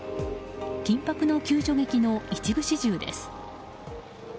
緊迫の救助劇の一部始終です。